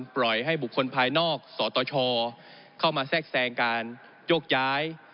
ปล่อยให้บุคคลภายนอกสตชเข้ามาแทรกแทรงการโยกย้าย